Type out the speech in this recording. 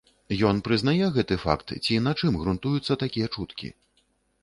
Ён прызнае гэты факт, ці на чым грунтуюцца такія чуткі?